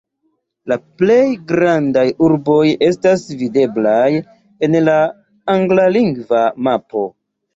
La plej grandaj urboj estas videblaj en la anglalingva mapo.